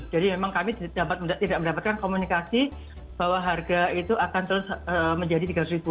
jadi memang kami tidak mendapatkan komunikasi bahwa harga itu akan terus menjadi tiga ratus ribu